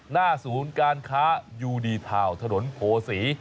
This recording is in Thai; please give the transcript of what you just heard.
หน้าศูนย์การค้ายูดีทาวน์ถนนโพศี